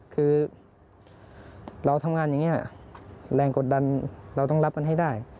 คือเราทำงานอย่างนี้แรงกดดันเราต้องรับมันให้ได้